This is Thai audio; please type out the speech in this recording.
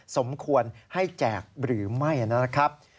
สมควรให้แจกหรือไม่นะครับ